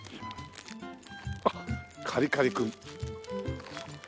あっカリカリ君。